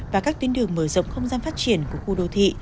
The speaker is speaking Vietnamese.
và các tuyến đường mở rộng không gian phát triển của khu đô thị